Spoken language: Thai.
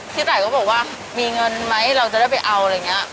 ตายก็บอกว่ามีเงินไหมเราจะได้ไปเอาอะไรอย่างนี้